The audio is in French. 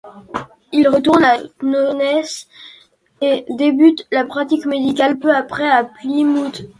Il retourne à Totnes et débute la pratique médicale peu après à Plymouth.